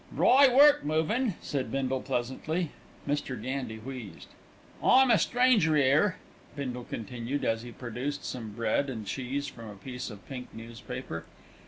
"Dry work, movin'," said Bindle pleasantly. Mr. Gandy wheezed. "I'm a stranger 'ere," Bindle continued, as he produced some bread and cheese from a piece of pink newspaper.